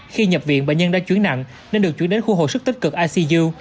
khi nhập viện bệnh nhân đã chuyển nặng nên được chuyển đến khu hồi sức tích cực icu